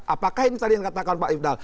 apakah ini tadi yang katakan pak ifdal